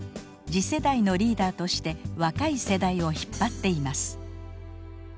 次世代のリーダーとして若い世代を引っ張っています。